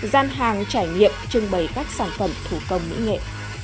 gian hàng trải nghiệm trưng bày các sản phẩm thủ công mỹ nghệ